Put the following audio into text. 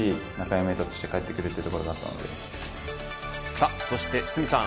さあ、そして堤さん。